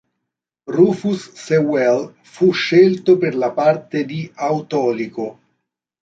Rufus Sewell fu scelto per la parte di Autolico.